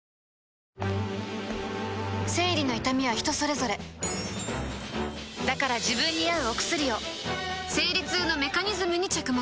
生理の痛みは人それぞれだから自分に合うお薬を生理痛のメカニズムに着目